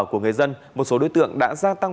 của người dân một số đối tượng đã gia tăng